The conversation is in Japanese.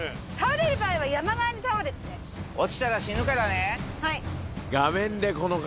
落ちたら死ぬからね。